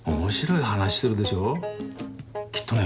きっとね